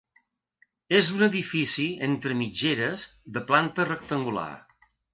És un edifici entre mitgeres de planta rectangular.